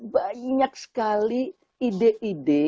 banyak sekali ide ide